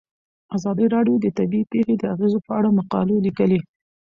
ازادي راډیو د طبیعي پېښې د اغیزو په اړه مقالو لیکلي.